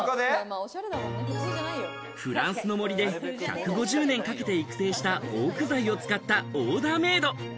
フランスの森で１５０年かけて育成したオーク材を使ったオーダーメイド。